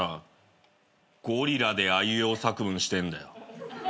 ゴリラであいうえお作文してんだよ。